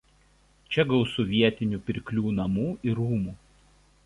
Čia gausu vietinių pirklių namų ir rūmų.